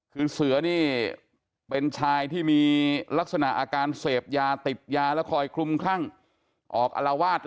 คือเสือนี่เป็นชายที่มีลักษณะอาการเสพยาติดยาแล้วคอยคลุมคลั่งออกอารวาส